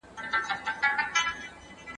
کله چې په عقد کې شبهه وي نو جماع څه واجبوي؟